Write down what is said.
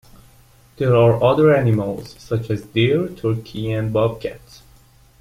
There are other animals such as deer, turkey, and bobcat.